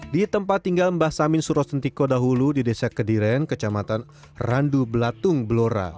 di tempat tinggal bah samin surawasentiko dahulu di desa kediren kecamatan randu belatung belora